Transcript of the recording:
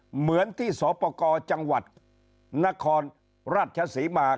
เหมือนที่สปกรจังหวัดนครราชศรีมา